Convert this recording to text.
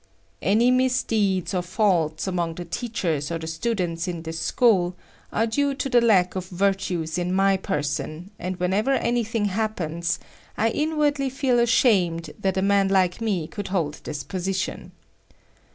"Any misdeeds or faults among the teachers or the students in this school are due to the lack of virtues in my person, and whenever anything happens, I inwardly feel ashamed that a man like me could hold his position.